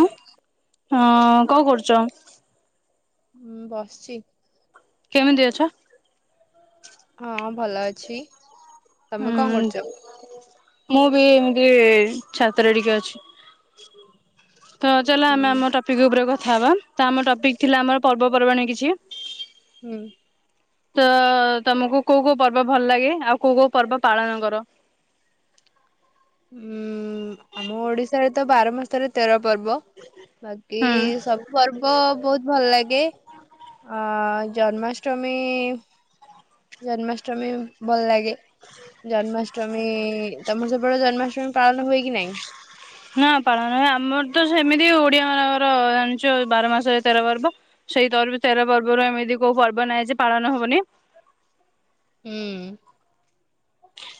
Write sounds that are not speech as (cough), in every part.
ହ୍ ହଁ କଣ କରୁଛ? ହୁଁ ବସିଛି। କେମିତି ଅଛ? ହଁ ଭଲ ଅଛି। ତମେ କଣ ହୁଁ କରୁଛ? ମୁଁ ବି ଏମିତି ଛାତରେ ଟିକେ ଅଛି। ତ ଚାଲ ଆମେ ହୁଁ ଆମ ଟପିକ ଉପରେ କଥା ହବା ତ ଆମ ଟପିକ ଥିଲା ଆମର ପର୍ବପର୍ବାଣ କିଛି। ହୁଁ। ତ ତମକୁ କୋଉ କୋଉ ପର୍ବ ଭଲ ଲାଗେ ଆଉ କୋଉ କୋଉ ପର୍ବ ପାଳନ କର? ଉୁଁ ଆମ ଓଡିଶାରେ ତ ବାର ମାସରେ ତେର ପର୍ବ ବାକି ହୁଁ। ସବୁ ପର୍ବ ବହୁତ ଭଲ ଲାଗେ। ଅ ଜନ୍ମାଷ୍ଟମୀ ଜନ୍ମାଷ୍ଟମୀ ଭଲ ଲାଗେ। ଜନ୍ମାଷ୍ଟମୀ ତମର ସବୁବେଳେ ଜନ୍ମାଷ୍ଟମୀ ପାଳନ ହୁଏ କି ନାଇଁ? ନା ପାଳନ ହୁଏ ଆମର ତ ସେମିତି ଓଡିଆ ମାନଙ୍କର ଜାଣିଛ ବାର ମାସରେ ତେର ପର୍ବ। ସେଇ ତର ତେର ପର୍ବରୁ ଏମିତି କୋଉ ପର୍ବ ନାହିଁ ଯେ ପାଳନ ହବନି। ହୁଁ।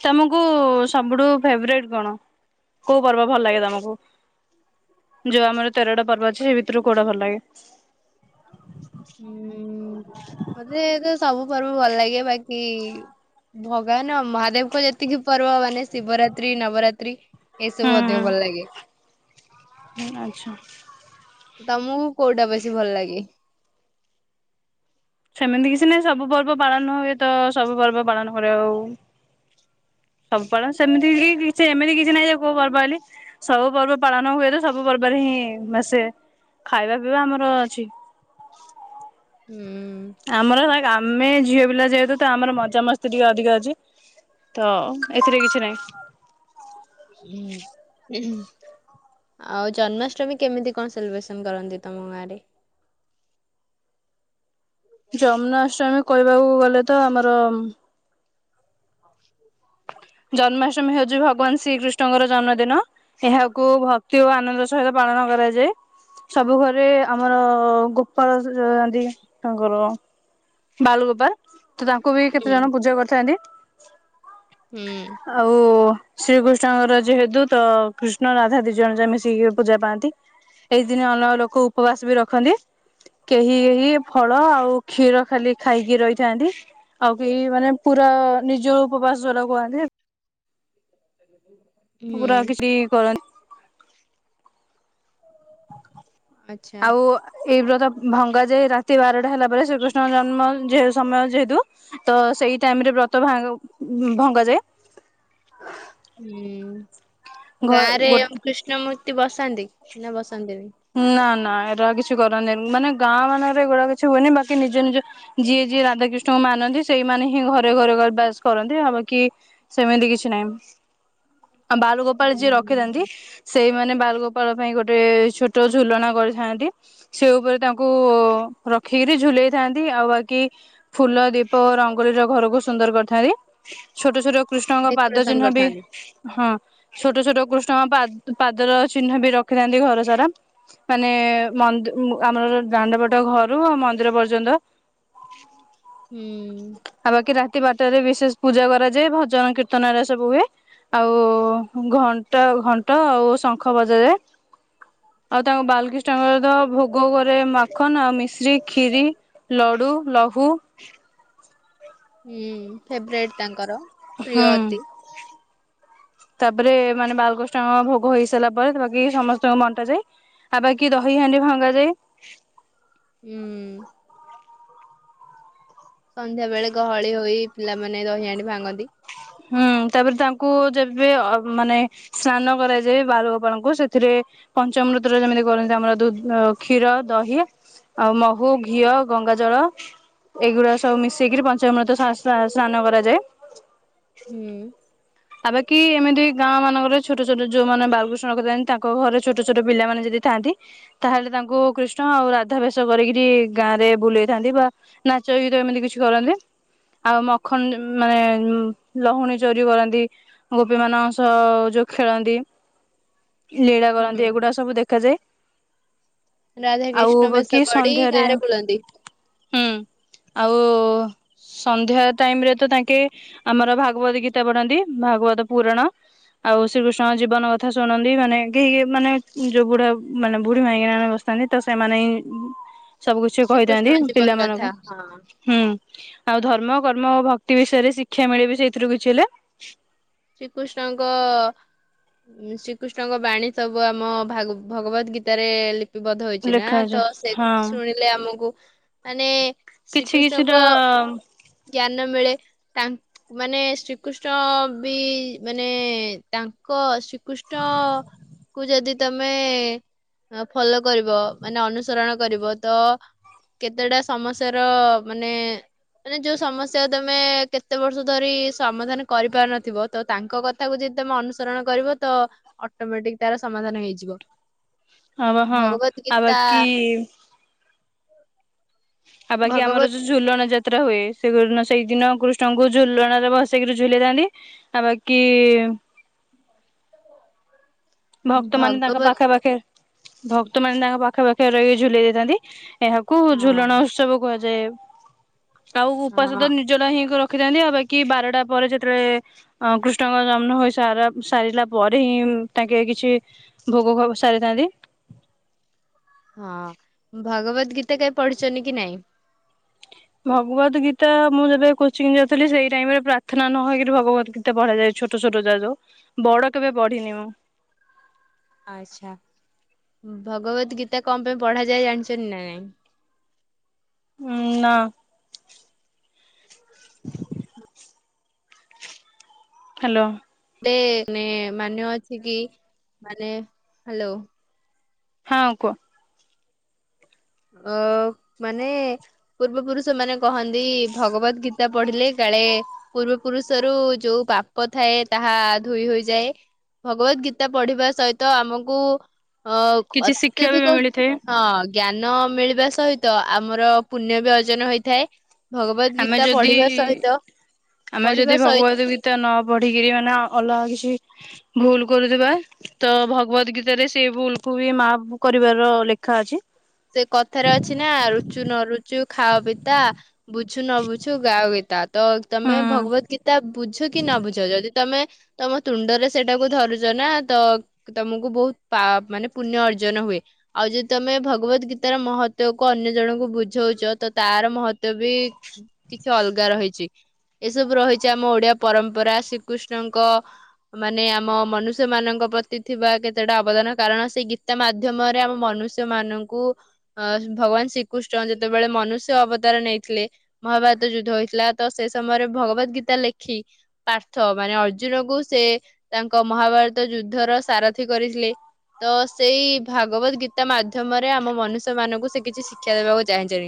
ତମକୁ ସବୁଠୁ ଫେବରଟ କଣ କୋଉ ପର୍ବ ଭଲ ଲାଗେ ତମକୁ? ଯୋଉ ଆମର ତେରଟା ପର୍ବ ଅଛି ସେ ଭିତରୁ କୋଉଟା ଭଲ ଲାଗେ? ହୁଁ, ମତେ ତ ସବୁ ପର୍ବ ଭଲ ଲାଗେ ବାକି ଭଗବାନ ମହାଦେବଙ୍କ ଯେତିକି ପର୍ବ ମାନେ ଶିବରାତ୍ରି, ନବରାତ୍ରି ଏସବୁ ଅଧିକ ଭଲ ଲାଗେ। ହୁଁ ଆଚ୍ଛା। ତମକୁ କୋଉଟା ବେଶୀ ଭଲ ଲାଗେ? ସେମିତି କିଛି ନାହିଁ ସବୁ ପର୍ବ ପାଳନ ହୁଏ ତ, ସବୁ ପର୍ବ ପାଳନ କରେ ଆଉ। ସବୁ ପାଳ ସେମିତି କି କିଛି, ଏମିତି କିଛି ନାହିଁ ଯେ କୋଉ ପର୍ବ ଆଇଲେ ସବୁ ପର୍ବ ପାଳନ ହୁଏ ତ ସବୁ ପର୍ବରେ ହିଁ ଆସେ, ଖାଇବା ପିଇବା ଆମର ଅଛି। ହୁଁ। ଆମର ହେଲା ଗା ଆମେ ଝିଅ ପିଲା ଯେହେତୁ ତ, ଆମର ମଜାମସ୍ତି ଟିକେ ଅଧିକ ଅଛି। ତ ଏଥିରେ କିଛି ନାହିଁ। ହୁଁ ହୁଁ ହୁଁ। ଆଉ ଜନ୍ମାଷ୍ଟମୀ କେମିତି କଣ ସେଲିବ୍ରେସନ କରନ୍ତି, ତମ ଗାଁ ରେ? ଜନ୍ମାଷ୍ଟମୀ କହିବାକୁ ଗଲେ ତ ଆମର ଜନ୍ମାଷ୍ଟମୀ ହଉଛି ଭଗବାନ ଶ୍ରୀକୃଷ୍ଣଙ୍କର ଜନ୍ମଦିନ, ଏହାକୁ ଭଗ ଅତି ଓ ଆନନ୍ଦ ସହିତ ପାଳନ କରାଯାଏ, ସବୁ ଘରେ ଆମର ଗୋ ପାଳସ ଜୟନ୍ତି ତାଙ୍କର। ବାଲ୍ ଗୋପାଲ ତ ତାଙ୍କୁ ବି ହୁଁ କେତେ ଜଣ ପୂଜା କରିଥାନ୍ତି। ହୁଁ। ଆଉ ଶ୍ରୀକୃଷ୍ଣଙ୍କର ଯେହେତୁ ତ କୃଷ୍ଣ, ରାଧା ଦି ଜଣ ଯାଏ ମିଶିକି ଏ ପୂଜା ପାଆନ୍ତି। ଏହି ଦିନି ଅନେକ ଲୋକ ଉପବାସ ବି ରଖନ୍ତି, କେହି କେହି ଫଳ ଆଉ କ୍ଷୀର ଖାଲି ଖାଇକି ରହିଥାନ୍ତି, ଆଉ କେହି ମାନେ ପୁର ନିର୍ଜଳ ଉପବାସ ବା କୁହାନ୍ତି। (unintelligible) ପୁର କିଛି କରନ୍ତି। ଆଚ୍ଛା। ଆଉ ଆ ଏଇ ବ୍ରତ ଭଙ୍ଗା ଯାଏ ରାତି ବାରଟା ହେଲା ପରେ, ଶ୍ରୀକୃଷ୍ଣ ଜନ୍ମ ଯେହେ ସମୟ ଯେହେତୁ ତ ସେଇ ଟାଇମ ରେ ବ୍ରତ ଭାଙ୍ଗ ଭଙ୍ଗାଯାଏ। ହୁଁ, ଘ ଗାଁରେ ଗୋ କୃଷ୍ଣ ମୂର୍ତ୍ତି ବସାନ୍ତି ନା ବସାନ୍ତିନି? ନା ନା ଏରା କିଛି କରନ୍ତିନି, ମାନେ ଗାଁ ମାନଙ୍କରେ ଏଗୁଡା କିଛି ହୁଏନି। ବାକି ନିଜ ନିଜ ଯିଏ ଯିଏ ରାଧାକୃଷ୍ଣଙ୍କୁ ମାନନ୍ତି, ସେଇମାନେ ହିଁ ଘରେ ଘରେ କ ବାସ୍ କରନ୍ତି। ଆଉ ବାକି ସେମିତି କିଛି ନାହିଁ। ଆଉ ବାଲ ଗୋପାଳ ଯିଏ ରଖିଥାନ୍ତି, ସେଇମାନେ ବାଲଗୋପାଳ ପାଇଁ ଗୋଟେ ଛୋ ଟ ଝୁଲଣା କରିଥାନ୍ତି। ସେ ଉପରେ ତାଙ୍କୁ ରଖିକିରି ଝୁଲେଇ ଥାନ୍ତି, ଆଉ ବାକି ଫୁଲ, ଦୀପ ଓ ରଙ୍ଗୋଲିର ଘରକୁ ସୁନ୍ଦର କରିଥାନ୍ତି। ଛୋଟ ଛୋଟ କୃଷ୍ଣଙ୍କ ପାଦ ଡେକୋରେସନ ଚିହ୍ନ ବି କରିଥାନ୍ତି। ହଁ ଛୋଟ ଛୋଟ କୃଷ୍ଣ ଙ୍କ ପାଦ ପାଦ ର ଚିହ୍ନ ବି ରଖିଥାନ୍ତି ଘର ସାରା। ମାନେ ମନ୍ଦ ଉ ଆମର ଦାଣ୍ଡ ପଟ ଘରୁ ମନ୍ଦିର ପର୍ଯ୍ୟନ୍ତ ହୁଁ। ଆଉ ବାକି ରାତି ବାରଟାରେ ବିଶେଷ ପୂଜା କରାଯାଏ, ଭଜନ, କୀର୍ତ୍ତନ ଏରା ସବୁ ହୁଏ। ଆଉ ଘଣ୍ଟ ଘଣ୍ଟ ଆଉ ଶଙ୍ଖ ବଜାଯାଏ। ଆଉ ତାଙ୍କ ବାଲକ୍ରୀଷ୍ଣଙ୍କର ତ ଭୋଗ କରେ ମାଖନ ଆଉ ମିଶ୍ରି, ଖିରି ଲଡୁ, ଲହୁ ହୁଁ ଫେବରାଇଟ୍ ତାଙ୍କର। ପ୍ରିୟ ହୁଁ। ଅତି। ତାପରେ, ମାନେ ବାଲକୃଷ୍ଣ ଙ୍କ ଭୋଗ ହେଇ ସାରିଲା ପରେ ବାକି ସମସ୍ତଙ୍କୁ ବଣ୍ଟା ଯାଏ। ଆଉ ବାକି ଦହି ହାଣ୍ଡି ଭାଙ୍ଗାଯାଏ। ହୁଁ। ସନ୍ଧ୍ୟା ବେଳେ ଗହଳି ହୋଇ ପିଲାମାନେ ଦହି ହାଣ୍ଡି ଭାଙ୍ଗନ୍ତି। ହୁଁ ତାପରେ ତାଙ୍କୁ ଯେବେ ଅ ମାନେ ସ୍ନାନ କରାଯାଏ ବାଲ୍ ଗୋପାଳଙ୍କୁ ସେଥିରେ। ପଞ୍ଚାମୃତରେ ଯେମିତି କରନ୍ତି ଆମର ଦୁଧ୍- କ୍ଷୀର ଦହି। ଆଉ ମହୁ, ଘିଅ, ଗଙ୍ଗା ଜଳ। ଏଇଗୁଡା ସବୁ ମିଶେଇକିରି ପଞ୍ଚାମୃତ ସା-ସା-ସ୍ନାନ କରାଯାଏ। ହୁଁ। ଆ ବାକି ଏମିତି ଗାଁ ମାନଙ୍କରେ ଛୋଟ ଛୋଟ ଯୋଉମାନେ ବାଲକୃଷ୍ଣ ରଖିଥାନ୍ତି ତାଙ୍କ ଘରେ ଛୋଟ ଛୋଟ ପିଲାମାନେ ଯଦି। ଥାନ୍ତି ତାହେଲେ ତାଙ୍କୁ କୃଷ୍ଣ ଆଉ ରାଧା ବେଶ କରିକିରି ଗାଁ ରେ ବୁଲେଇଥାନ୍ତି ବା ନାଚ, ଗୀତ ଏମିତି କିଛି କରନ୍ତି, ଆଉ ମଖନ ମାନେ ଉଁ। ଲହୁଣୀ ଚୋରି କରନ୍ତି, ଗୋପୀ ମାନଙ୍କ ସହ ଯୋଉ ଖେଳନ୍ତି। ଲୀଳା ହୁଁ କରନ୍ତି ଏଗୁଡା ସବୁ ଦେଖାଯାଏ। ରାଧାକୃଷ୍ଣ ଆଉ ବେଶ ବାକି ପଡି ସନ୍ଧ୍ୟାରେ। ଗାଁରେ ବୁଲନ୍ତି। ହୁଁ, ଆଉ ସନ୍ଧ୍ୟା ଟାଇମ୍ ରେ ତ ତାଙ୍କେ ଆମର ଭାଗବତ ଗୀତା ପଢନ୍ତି, ଭାଗବତ ପୁରାଣ। ଆଉ ଶ୍ରୀକୃଷ୍ଣଙ୍କ ଜୀବନ କଥା ଶୁଣନ୍ତି ମାନେ କେହି ମାନେ ଯୋଉ ବୁଢା ମାନେ ବୁଢୀ ମାଇକିନା ମାନେ ବସ୍ ଥାନ୍ତି ତ ସେମାନେ ହିଁ ସବୁ କିଛି କହିଥାନ୍ତି ଶ୍ରୀକୃଷ୍ଣଙ୍କ ଜୀବନ ପିଲା ଗାଥା ମାନଙ୍କୁ। ହଁ ହୁଁ ଆଉ ଧର୍ମ, କର୍ମ ଓ ଭକ୍ତି ବିଷୟରେ ଶିକ୍ଷା ମିଳେ ବିି ସେଇଥିରୁ କିଛି ହେଲେ। ଶ୍ରୀକୃଷ୍ଣଙ୍କ। ଉଁ ଶ୍ରୀକୃଷ୍ଣଙ୍କ ବାଣୀ ସବୁ ଆମ ଭାଗ-ଭଗବତ ଗୀତାରେ ଲି ପିବଧ ହେଇଛି ନା ଲେଖାଯାଏ ତ ସେ ହଁ ଶୁଣିଲେ ଆମକୁ ମାନେ। କିଛି କିଛିଟା ଶ୍ରୀକୃଷ୍ଣଙ୍କ। ଜ୍ଞାନ ମିଳେ ତାଙ୍କ ମାନେ ଶ୍ରୀକୃଷ୍ଣ ବି ମାନେ ତାଙ୍କ ଶ୍ରୀକୃଷ୍ଣ କୁ ଯଦି। ତମେ ଫଲୋ କରିବ ମାନେ ଅନୁସରଣ କରିବ ତ କେତେଟା ସମସ୍ୟାର ମାନେ। ମାନେ ଯୋଉ ସମସ୍ୟା ତମେ କେତେ ବର୍ଷ ଧରି ସମାଧାନ କରିପାରୁନ ଥିବ ତ ତାଙ୍କ କଥାକୁ ଯଦି ତମେ ଅନୁସରଣ କରିବ ତ ଅଟୋମେଟିକ୍ ତାର ସମାଧାନ ହେଇଯିବ ହଁ ହଁ ଭଗବତ ଆଉ ଗୀତା। ବାକି ଆଉ ବାକି ଆମର ଭଗବତ ଝୋ ଝୁଲଣା ଯାତ୍ରା ହୁଏ ସେ (unintelligible) ସେଇଦିନ କୃଷ୍ଣଙ୍କୁ ଝୁଲଣାରେ ବସେଇକିରି ଝୁଲେଇଥାନ୍ତି। ଆଉ ବାକି। ଭକ୍ତ ମାନେ ତାଙ୍କ ଭଗବତ ପାଖା ପାଖେ ଭକ୍ତମାନେ ତାଙ୍କ ପାଖା ପାଖେ ରହିକି ଝୁଲେଇ ଦେଇଥାନ୍ତି। ଏହାକୁ ହଁ ଝୁଲଣ ଉତ୍ସବ କୁହାଯାଏ ଆଉ ଉପାସ ତ ହଁ ନି ଯଉରା ହିଁ କ ରଖିଥାନ୍ତି ଆ ବାକି ବାରଟା ପରେ ଯେତେବେଳେ ଅ କୃଷ୍ଣଙ୍କ ଜନ୍ମ ହୋଇ ସାର ସାରିଲା ପରେ ହିଁ ତାଙ୍କେ କିଛି ଭୋଗ ଫୋଗ ସାରିଥାନ୍ତି। ହଁ ଭଗବତ ଗୀତା କେବେ ପଢିଛନ୍ତି କି ନାଇଁ? ଭଗବତ ଗୀତା ମୁଁ ଯେତେବେଳେ କୋଚିଂ ଯାଉଥିଲି ସେଇ ଟାଇମ ରେ ପ୍ରାର୍ଥନା ନ ହେଇକିରି ଭଗବତ ଗୀ ତେ ପଢାଯାଏ ଛୋଟ ଛୋଟ ଯା ଯୋଉ ବଡ କେବେ ପଢ଼ିନି ମୁଁ ଆଚ୍ଛା, ଭଗବତ ଗୀତା କଣ ପାଇଁ ପଢା ଯାଏ ଜାଣିଛନ୍ତି ନା ନାଇଁ। ଉଁ ନା। (inaudible) ହ୍ୟାଲୋ। ତେ ମେ ମାନେ ଅଛି କି ମାନେ ହ୍ୟାଲୋ। ହଁ କୁହ? ଅ, ମାନେ ପୂର୍ବ ପୁରୁଷ ମାନେ କହନ୍ତି ଭଗବତ ଗୀତା ପଢିଲେ କାଳେ ପୂର୍ବ ପୁରୁଷରୁ ଯୋଉ ପାପ ଥାଏ, ତାହା ଧୋଇ ହୋଇଯାଏ। ଭଗବତ ଗୀତା ପଢିବା ସହିତ ଆମକୁ ଅ, କିଛି ଶିକ୍ଷା ବି ଅତ୍ୟଧିକ ମିଳିଥାଏ ହଁ ଜ୍ଞାନ ମିଳିବା ସହିତ ଆମର ପୁଣ୍ୟ ବି ଅର୍ଜନ ହେଇଥାଏ। ଭଗବତ ଆମେ ଗୀତା ଯଦି ପଢିବା ସହିତ, ପଢିବା ସହିତ ତ ନ ପଢିକରି ମାନେ ଅଲଗା କିଛି ଭୁଲ କରୁଥିବା। ତ ଭଗବତ ଗୀତାରେ ସେ ଭୁଲକୁ ବି ମାଫ କରିବାର ଲେଖା ଅଛି। ସେ କଥାରେ ଅଛି ନା ରୁଚୁ ନ ରୁଚୁ ଖାଅ ପିତା ବୁ ବୁଝଛୁ ନ ବୁଝଛୁ ଗା ଗୀତା ତମେ ହୁଁ ଭଗବତ ଗୀତା ବୁଝ କି ନ ବୁଝ ଯଦି ତମେ ତମ ତୁଣ୍ଡରେ ସେଟାକୁ ଧରୁଛ ନା ତ ତମକୁ ବହୁତ ମାନେ ପା ପୁଣ୍ୟ ଅର୍ଜନ ହୁଏ ଆଉ ଯଦି ତମେ ଭ ଭଗବତ ଗୀତାର ମହତ୍ବକୁ ଅନ୍ୟ ଜଣଙ୍କୁ ବୁଝଉଛ ତ ତାର ମହତ୍ବ ବି କିଛି ଅଲଗା ରହିଛି ଏସବୁ ରହିଛି ଆମ ଓଡିଆ ପରମ୍ପରା ଶ୍ରୀକୃଷ୍ଣଙ୍କ ମାନେ ଆମ ମନୁଷ୍ୟ ମାନଙ୍କ ପ୍ରତି ଥିବା କେତେଟା ଅବଦାନ କାରଣ ସେଇ ଗୀତା ମାଧ୍ୟମରେ ଆମ ମନୁଷ୍ୟ ମାନଙ୍କୁ ଅ ଭଗବାନ ଶ୍ରୀକୃଷ୍ଣ ଯେତେବେଳେ ମନୁଷ୍ୟ ଅବତାର ନେଇଥିଲେ ମହାଭାରତ ଯୁଦ୍ଧ ହୋଇଥିଲା ତ ସେ ସମୟରେ ଭଗବତ ଗୀତା ଲେଖି ପାର୍ଥ ମାନେ ଅର୍ଜୁନଙ୍କୁ ସେ ତାଙ୍କ ମହାଭାରତ ଯୁଦ୍ଧର ସାରଥିୀ କରିଥିଲେ। ତ ସେଇ ଭାଗବତ ଗୀତା ମାଧ୍ୟମରେ ଆମ ମନୁଷ୍ୟମାନଙ୍କୁ ସେ କିଛି ଶିକ୍ଷା ଦେବାକୁ ଚାହୁଁଛନ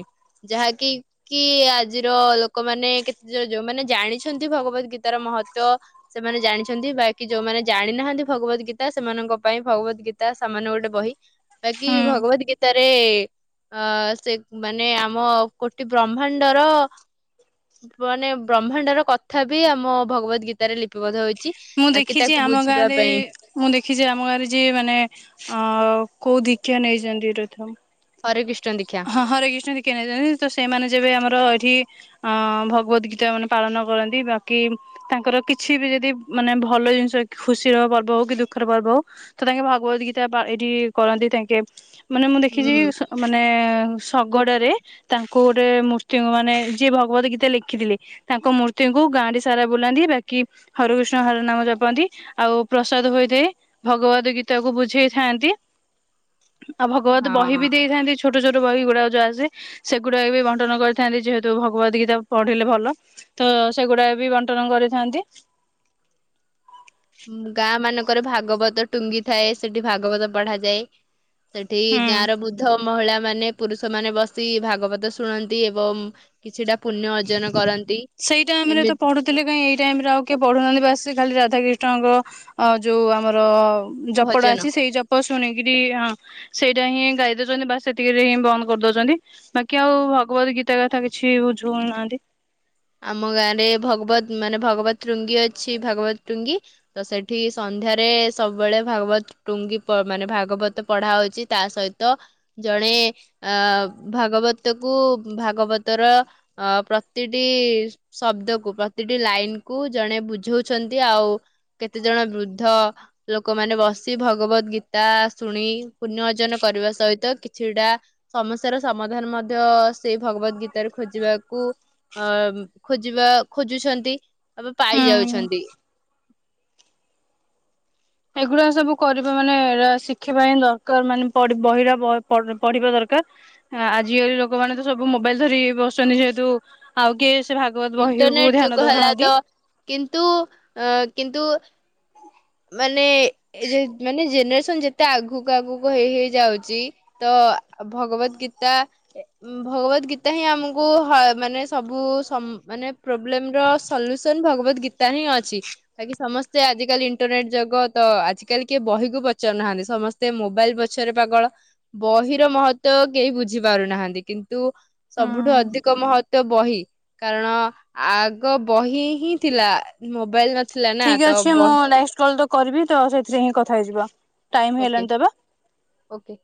ଯାହାକି କି ଆଜିର ଲୋକମାନେ କେତେ ଯ ଯୋଉମାନେ ଜାଣିଛନ୍ତି ଭଗବତ ଗୀତାର ମହତ୍ବ ସେମାନେ ଜାଣିଛନ୍ତି ବାକି ଯୋଉମାନେ ଜାଣି ନାହାନ୍ତି ଭଗବତ ଗୀତା ସେମାନଙ୍କ ପାଇଁ ଭଗବତ ଗୀତା ତା ସାମାନ୍ୟ ଗୋଟେ ବହି ବାକି ହୁଁ ଭଗବତ ତାରେ ଅ ସେ ମାନେ ଆମ କୋଟି ବ୍ରହ୍ମାଣ୍ଡର ମାନେ ବ୍ରହ୍ମାଣ୍ଡର କଥା ବି ଆମ ଭଗବତ ଗୀତାରେ ଲିପିବଦ୍ଧ ହଉଛି। ମୁଁ ବାକି ଦେଖିଛି ତାକୁ ଆମ ବୁଝିବା ଗାଁରେ ପାଇଁ। ମୁଁ ଦେଖିଛି ଆମ ଗାଁରେ ଯିଏ ମାନେ ଅ କୋଉ ଦୀଷା ନେଇଛନ୍ତି ରହିଥାଅ। ହରେ କି ହଁ ହରେ କଷ୍ଣ ନେଇଛନ୍ତି ତ ସେମାନେ ଯେବେ ଆମର ଏଇଠି ଅ ଭଗବତ ଗୀତା ମାନେ ପାଳନ କରନ୍ତି ବାକି ତାଙ୍କର କିଛି ବି ଯଦି ମାନେ ଭଲ ଜିନିଷ ଖୁସିର ପର୍ବ ହଉ କି ଦୁଃଖର ପର୍ବ ହଉ ତ ତାଙ୍କେ ଭଗବତ ଗୀତା ଏଠି କରନ୍ତି ତାଙ୍କେ ମାନେ ମୁଁ ଦେଖିଛି ହୁଁ। ମାନେ ଶଗଡରେ ତାଙ୍କୁ ଗୋଟେ ମୃର୍ତ୍ତିଙ୍କୁ ମାନେ ଯିଏ ଭଗବତ ଗୀତା ଲେଖିଥିଲେ ତାଙ୍କ ମୂର୍ତ୍ତିଙ୍କୁ ଗାଁ ସାରା ବୁଲାନ୍ତି ବାକି ହରକୃଷ୍ଣ ହର ନାମ ଜପନ୍ତି ଆଉ ପ୍ରସାଦ ହୋଇଥାଏ। ଭଗବତ ଗୀତାକୁ ବୁଝେଇଥାନ୍ତି ଆଉ ଭଗବତ ବହି ବି ହଁ। ଦେଇଥାନ୍ତି। ଛୋଟ ଛୋଟ ବହି ଗୁଡାକ ଯୋଉ ଆସେ ସେଗୁଡାକ ବି ବଣ୍ଟନ କରିଥାନ୍ତି ଯେହେତୁ ଭଗବତ ଗୀତା ପଢିଲେ ଭଲ। ତ ସେଗୁଡାକ ବି ବଣ୍ଟନ କରିଥାନ୍ତି। ଗାଁ ମାନଙ୍କରେ ଭାଗବତ ଟୁଙ୍ଗି ଥାଏ ସେଠି ଭାଗବତ ପଢାଯାଏ। ସେଠି ହୁଁ ଗାଁ ର ବୁଦ୍ଧ ମହିଳା ମାନେ ପୁରୁଷ ମାନେ ବସି ଭାଗବତ ଶୁଣନ୍ତି ଏବଂ କିଛିଟା ପୁଣ୍ୟ ଅର୍ଜନ କରନ୍ତି ଏମିତି ଥିଲେ କାଇଁ ଏଇ ଟାଇମରେ ଆଉ କିଏ ପଢୁନାହାନ୍ତି ବାସ୍ ଖାଲି ରାଧାକ୍ରିଷ୍ଣଙ୍କ ଯୋଉ ଆମର ଜପଟା ଭଜନ ଅଛି ସେଇ ଜପ ଶୁଣିକିରି ହଁ ସେଇଟା ହିଁ ଗାଇ ଦଉଛନ୍ତି ବା ସେତିକିରେ ହିଁ ବନ୍ଦ କରିଦଉଛନ୍ତି। ବାକି ଆଉ ଭଗବତ ଗୀତା କଥା କିଛି ବୁଝଉ ନାହାନ୍ତି। ଆମ ଗାଆଁରେ ଭଗବତ୍ ମାନେ ଭଗବତ୍ ଟୁଙ୍ଗୀ ଅଛି, ଭଗବତ୍ ଟୁଙ୍ଗୀ। ତ ସେଠି ସନ୍ଧ୍ୟାରେ ସବୁବେଳେ ଭାଗବତ୍ ଟୁଙ୍ଗି ପ ମାନେ ଭାଗବତ ପଢା ହଉଛି ତା ସହିତ ଜଣେ ଅ ଭାଗବତକୁ ଭାଗବତର ଅ ପ୍ରତି ପ୍ରତି ଶବ୍ଦକୁ ପ୍ରତିଟି ଲାଇନକୁ ଜଣେ ବୁଝଉଛନ୍ତି ଆଉ କେତେ ଜଣ ବୃଦ୍ଧ ଲୋକମାନେ ବସି ଭଗବତ ଗୀତା ଶୁଣି ପୁଣ୍ୟ ଅର୍ଜନ କରିବା ସହିତ କିଛିଟା ସମସ୍ୟାର ସମାଧାନ ମଧ୍ୟ ସେଇ ଭଗବତ ଗୀତାରେ ଖୋଜିବାକୁ ଅ-ଅ-ଅ ଖୋଜିବା ଖୋଜୁଛନ୍ତି ବା ପାଇ ହୁଁ ଯାଉଛନ୍ତି। ଏଗୁଡା ସବୁ କରିବା ମାନେ ଏରା ଶିଖିବା ହିଁ ଦରକାର ମାନେ ପଢ୍ ବହିରା ପ ପଢ୍ ପଢିବା ଦରକାର। ଆଜିକାଲି ଲୋକମାନେ ତ ସବୁ ମୋବାଇଲ ଧରି ବସୁଛନ୍ତି ଯେହେତୁ ଆଉ କିଏ ସେ ଭାଗବତ ବହିକୁ ଇଣ୍ଟରନେଟ ଯୁଗ ଧ୍ୟାନ ହେଲା ତ ଦଉନାହାନ୍ତି। କିନ୍ତୁ ଅ କିନ୍ତୁ ମାନେ-ଏ-ଏ ଏଇ ଯେ ମାନେ ଜେନେରେସନ ଯେତେ ଆଗକୁ-ଆଗକୁ ହେଇ-ହେଇ ଯାଉଛି ତ ଭଗବତ ଗୀତା ଭଗବତ ଗୀତା ହିଁ ଆମକୁ ହ ମାନେ ସବୁ ସମ୍ ମାନେ ପ୍ରୋବ୍ଲେମର ସଲ୍ୟୁସନ ଭଗବତ ଗୀତା ହିଁ ଅଛି। ବାକି ସମସ୍ତେ ଆଜିକାଲି ଇନ୍ ଇଣ୍ଟରନେଟ୍ ଜଗତ, ଆଜିକାଲି କିଏ ବହିକୁ ପଚାରୁ ନାହାନ୍ତି ସମସ୍ତେ ମୋବାଇଲ ପଛରେ ପାଗଳ। ବହିର ମହତ୍ତ୍ଵ କେହି ବୁଝି ପାରୁନାହାନ୍ତି। କିନ୍ କିନ୍ତୁ ହୁଁ ସବୁଠୁ ଅଧିକ ମହତ୍ତ୍ଵ ବହି। କାରଣ ଆଗ ବହି ହିଁ ଥିଲା ମୋବାଇଲ ନ ଠିକ୍ ଅଛି ମୁଁ ନେକ୍ସଟ୍ କଲ୍ ତ କରିବି ତ ସେଥିରେ ହିଁ କଥା ହେଇଯିବା, ଟାଇମ୍ ଓକେ ହେଇଲାଣି ତେବେ ଓକେ।